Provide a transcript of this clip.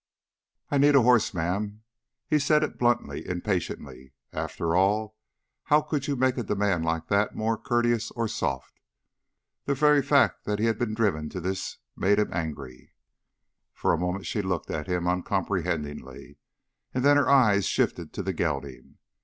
"I need a horse, ma'am." He said it bluntly, impatiently. After all, how could you make a demand like that more courteous or soft? The very fact that he had been driven to this made him angry. For a moment she looked at him uncomprehendingly, and then her eyes shifted to the gelding.